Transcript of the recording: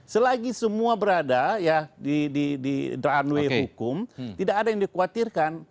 selagi semua berada ya di runway hukum tidak ada yang dikhawatirkan